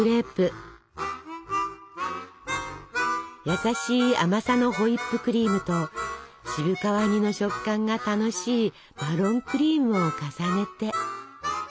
優しい甘さのホイップクリームと渋皮煮の食感が楽しいマロンクリームを重ねて。